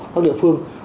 các địa phương